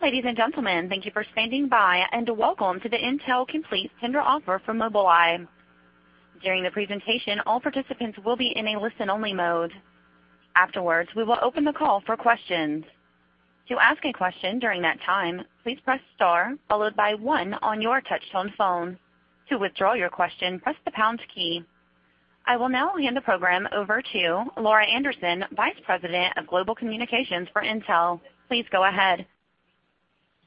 Ladies and gentlemen, thank you for standing by, and welcome to the Intel Complete Tender Offer for Mobileye. During the presentation, all participants will be in a listen-only mode. Afterwards, we will open the call for questions. To ask a question during that time, please press star followed by one on your touch-tone phone. To withdraw your question, press the pound key. I will now hand the program over to Laura Anderson, Vice President of Global Communications for Intel. Please go ahead.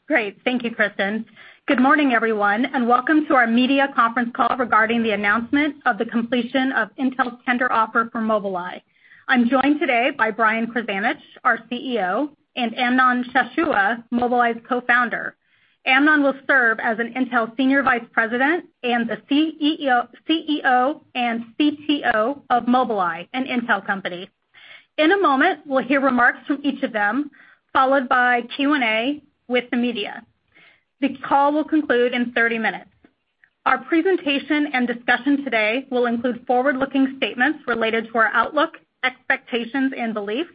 Great. Thank you, Kristen. Good morning, everyone, and welcome to our media conference call regarding the announcement of the completion of Intel's tender offer for Mobileye. I am joined today by Brian Krzanich, our CEO, and Amnon Shashua, Mobileye's co-founder. Amnon will serve as an Intel Senior Vice President and the CEO and CTO of Mobileye, an Intel company. In a moment, we will hear remarks from each of them, followed by Q&A with the media. The call will conclude in 30 minutes. Our presentation and discussion today will include forward-looking statements related to our outlook, expectations and beliefs.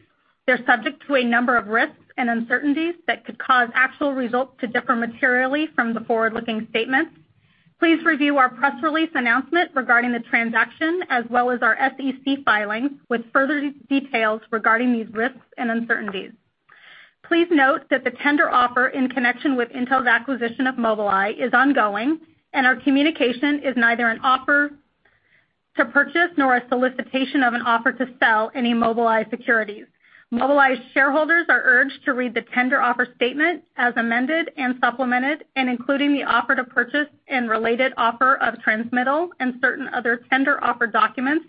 They are subject to a number of risks and uncertainties that could cause actual results to differ materially from the forward-looking statements. Please review our press release announcement regarding the transaction, as well as our SEC filings with further details regarding these risks and uncertainties. Please note that the tender offer in connection with Intel's acquisition of Mobileye is ongoing, and our communication is neither an offer to purchase nor a solicitation of an offer to sell any Mobileye securities. Mobileye shareholders are urged to read the tender offer statement as amended and supplemented, and including the offer to purchase and related offer of transmittal and certain other tender offer documents,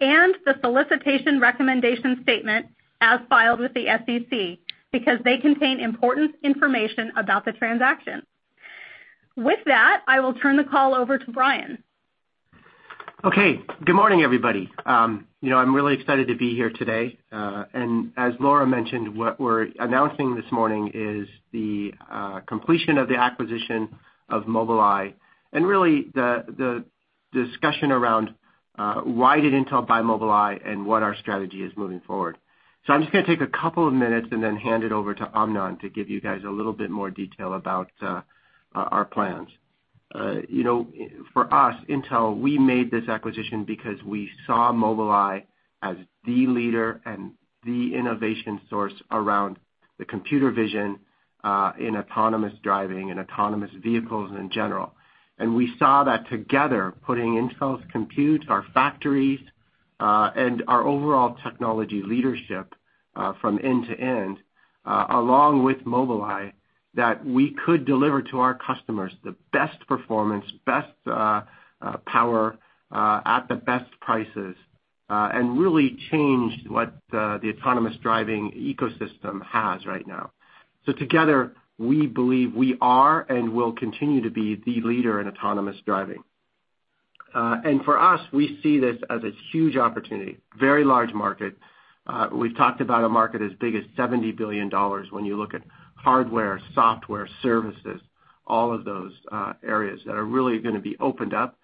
and the solicitation recommendation statement as filed with the SEC, because they contain important information about the transaction. With that, I will turn the call over to Brian. Okay. Good morning, everybody. I am really excited to be here today. As Laura mentioned, what we are announcing this morning is the completion of the acquisition of Mobileye and really the discussion around why did Intel buy Mobileye and what our strategy is moving forward. I am just going to take a couple of minutes and then hand it over to Amnon to give you guys a little bit more detail about our plans. For us, Intel, we made this acquisition because we saw Mobileye as the leader and the innovation source around the computer vision, in autonomous driving and autonomous vehicles in general. We saw that together, putting Intel's compute, our factories, and our overall technology leadership from end to end, along with Mobileye, that we could deliver to our customers the best performance, best power at the best prices, and really change what the autonomous driving ecosystem has right now. Together, we believe we are and will continue to be the leader in autonomous driving. For us, we see this as a huge opportunity, very large market. We've talked about a market as big as $70 billion when you look at hardware, software, services, all of those areas that are really going to be opened up.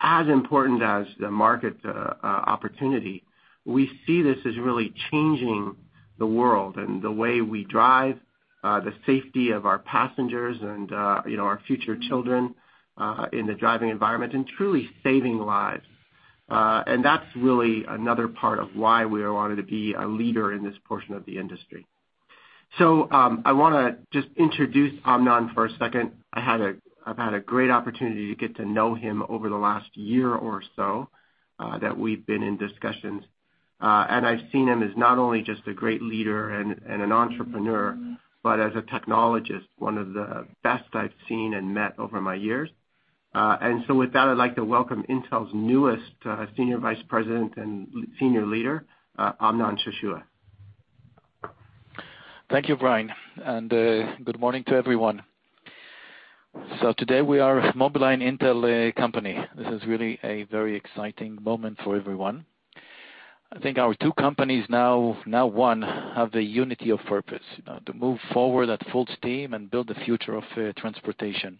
As important as the market opportunity, we see this as really changing the world and the way we drive, the safety of our passengers and our future children, in the driving environment and truly saving lives. That's really another part of why we wanted to be a leader in this portion of the industry. I want to just introduce Amnon for a second. I've had a great opportunity to get to know him over the last year or so, that we've been in discussions. I've seen him as not only just a great leader and an entrepreneur, but as a technologist, one of the best I've seen and met over my years. With that, I'd like to welcome Intel's newest Senior Vice President and senior leader, Amnon Shashua. Thank you, Brian, and good morning to everyone. Today we are Mobileye and Intel a company. This is really a very exciting moment for everyone. I think our two companies, now one, have the unity of purpose to move forward at full steam and build the future of transportation.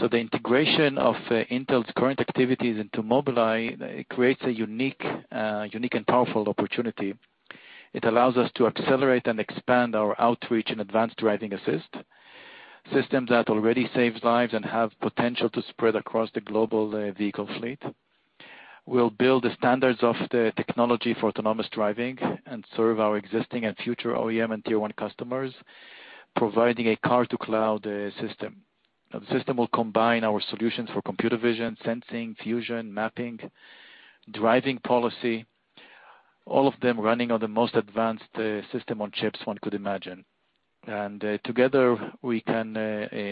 The integration of Intel's current activities into Mobileye creates a unique and powerful opportunity. It allows us to accelerate and expand our outreach in advanced driving assist, systems that already save lives and have potential to spread across the global vehicle fleet. We'll build the standards of the technology for autonomous driving and serve our existing and future OEM and Tier 1 customers, providing a car-to-cloud system. The system will combine our solutions for computer vision, sensing, fusion, mapping, driving policy, all of them running on the most advanced System on Chips one could imagine. Together we can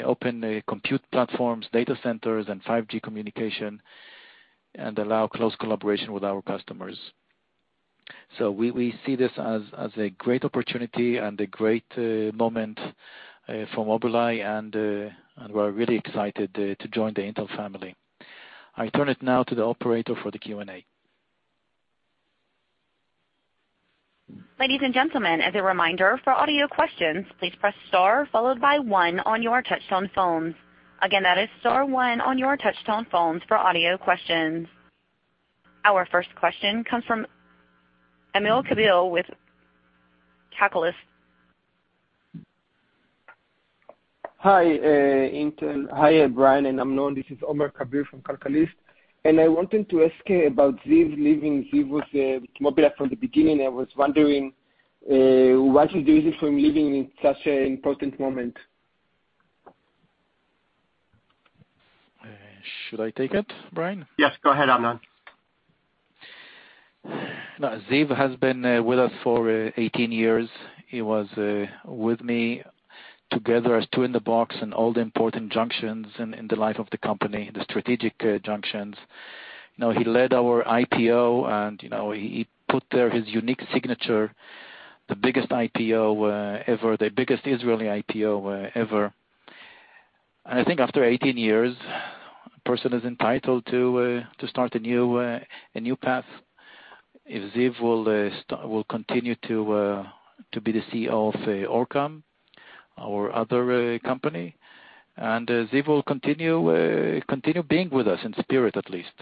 open compute platforms, data centers, and 5G communication and allow close collaboration with our customers. We see this as a great opportunity and a great moment for Mobileye, and we are really excited to join the Intel family. I turn it now to the operator for the Q&A. Ladies and gentlemen, as a reminder, for audio questions, please press star followed by one on your touch-tone phones. Again, that is star one on your touch-tone phones for audio questions. Our first question comes from Omer Kabir with Calcalist. Hi, Intel. Hi, Brian and Amnon. This is Omer Kabir from Calcalist. I wanted to ask about Ziv leaving. Ziv was with Mobileye from the beginning. I was wondering what is the reason for him leaving in such an important moment? Should I take it, Brian? Yes, go ahead, Amnon. Ziv has been with us for 18 years. He was with me together as two in the box in all the important junctions in the life of the company, the strategic junctions. He led our IPO, and he put there his unique signature, the biggest IPO ever, the biggest Israeli IPO ever. I think after 18 years, a person is entitled to start a new path. If Ziv will continue to be the CEO of OrCam or other company, Ziv will continue being with us in spirit, at least.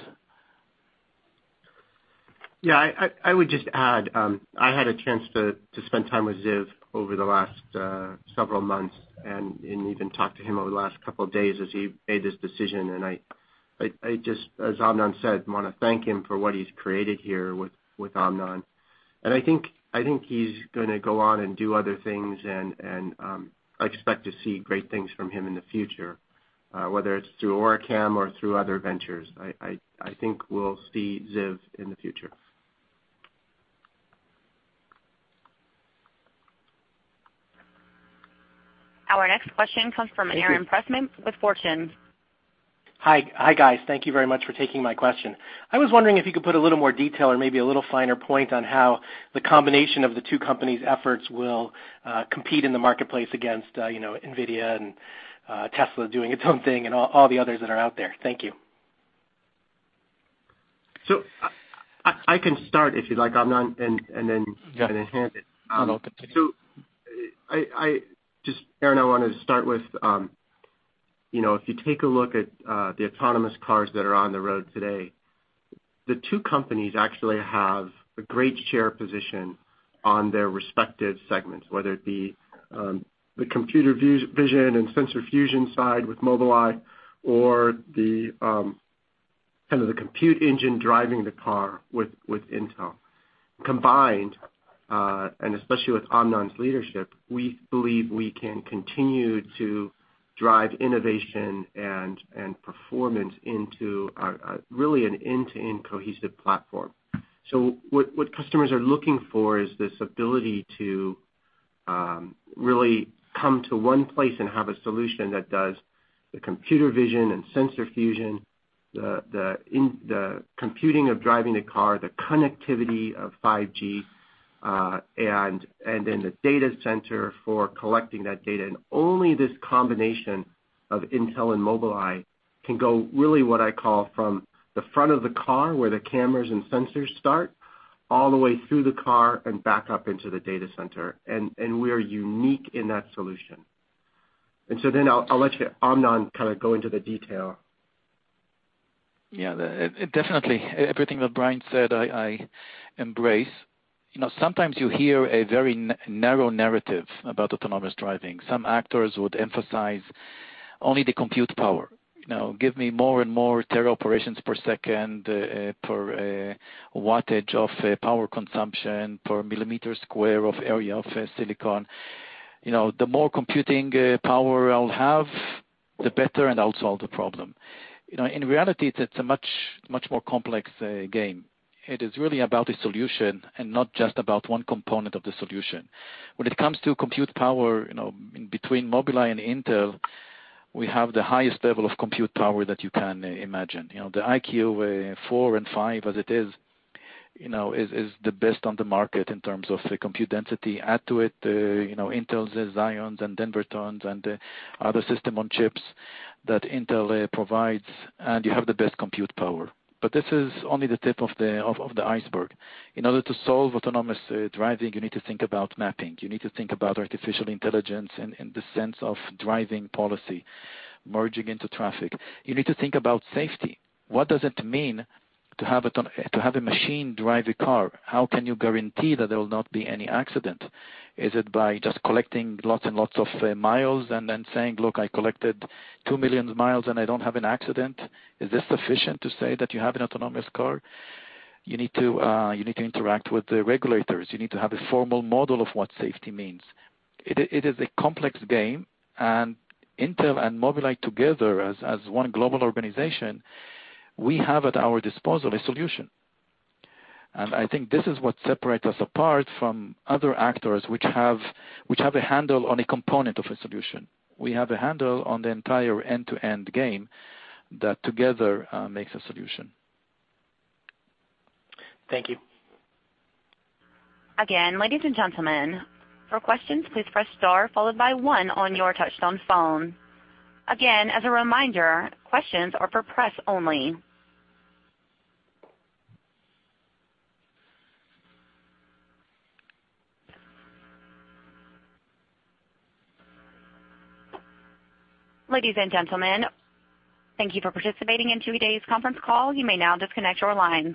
Yeah, I would just add, I had a chance to spend time with Ziv over the last several months and even talked to him over the last couple of days as he made this decision. I just, as Amnon said, want to thank him for what he's created here with Amnon. I think he's going to go on and do other things and I expect to see great things from him in the future, whether it's through OrCam or through other ventures. I think we'll see Ziv in the future. Our next question comes from Aaron Pressman with Fortune. Hi, guys. Thank you very much for taking my question. I was wondering if you could put a little more detail or maybe a little finer point on how the combination of the two companies' efforts will compete in the marketplace against Nvidia and Tesla doing its own thing and all the others that are out there. Thank you. I can start if you'd like, Amnon, and then hand it. Amnon can take it. Just, Aaron, I want to start with if you take a look at the autonomous cars that are on the road today, the two companies actually have a great share position on their respective segments, whether it be the computer vision and sensor fusion side with Mobileye or the compute engine driving the car with Intel. Combined, and especially with Amnon's leadership, we believe we can continue to drive innovation and performance into really an end-to-end cohesive platform. What customers are looking for is this ability to really come to one place and have a solution that does the computer vision and sensor fusion, the computing of driving the car, the connectivity of 5G, and the data center for collecting that data. Only this combination of Intel and Mobileye can go really what I call from the front of the car, where the cameras and sensors start, all the way through the car and back up into the data center. We are unique in that solution. I'll let you, Amnon, go into the detail. Yeah. Definitely. Everything that Brian said, I embrace. Sometimes you hear a very narrow narrative about autonomous driving. Some actors would emphasize only the compute power. Give me more and more tera operations per second, per wattage of power consumption, per millimeter square of area of silicon. The more computing power I'll have, the better and I'll solve the problem. In reality, that's a much more complex game. It is really about the solution and not just about one component of the solution. When it comes to compute power, between Mobileye and Intel, we have the highest level of compute power that you can imagine. The EyeQ4 and EyeQ5 as it is the best on the market in terms of the compute density. Add to it Intel's Xeons and Denvertons and other system on chips that Intel provides, and you have the best compute power. This is only the tip of the iceberg. In order to solve autonomous driving, you need to think about mapping. You need to think about artificial intelligence in the sense of driving policy, merging into traffic. You need to think about safety. What does it mean to have a machine drive a car? How can you guarantee that there will not be any accident? Is it by just collecting lots and lots of miles and then saying, "Look, I collected 2 million miles and I don't have an accident." Is this sufficient to say that you have an autonomous car? You need to interact with the regulators. You need to have a formal model of what safety means. It is a complex game, and Intel and Mobileye together as one global organization, we have at our disposal a solution. I think this is what separates us apart from other actors which have a handle on a component of a solution. We have a handle on the entire end-to-end game that together makes a solution. Thank you. Again, ladies and gentlemen, for questions, please press star followed by one on your touchtone phone. Again, as a reminder, questions are for press only. Ladies and gentlemen, thank you for participating in today's conference call. You may now disconnect your lines.